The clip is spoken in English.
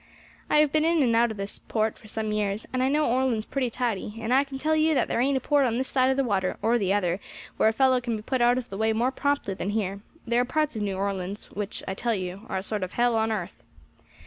I have been in and out of this port for some years, and know Orleans pretty tidy, and I can tell you that there ain't a port on this side of the water or the other where a fellow can be put out of the way more promptly than here; there are parts of New Orleans which, I tell you, are a sort of hell on earth.